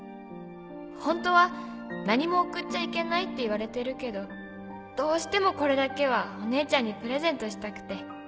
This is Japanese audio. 「ホントは何も送っちゃいけないって言われてるけどどうしてもこれだけはお姉ちゃんにプレゼントしたくて」